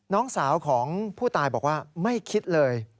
น้องสาวของผู้ตายบอกว่าไม่คิดเลย